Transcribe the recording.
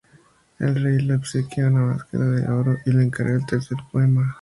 El Rey le obsequia una máscara de oro y le encarga el tercer poema.